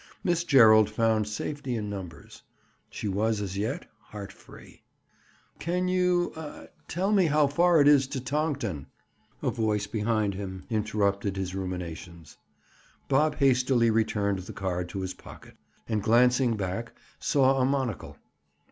Miss Gerald found safety in numbers. She was as yet heart free. "Can you—aw!—tell me how far it is to Tonkton?" a voice behind here interrupted his ruminations. Bob hastily returned the card to his pocket, and glancing back, saw a monocle.